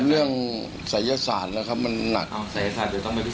มันเรื่องศัยยศาสตร์นะครับมันหนักอ๋อศัยยศาสตร์เดี๋ยวต้องมาที่